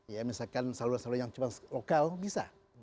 ya misalkan saluran saluran yang cuma lokal bisa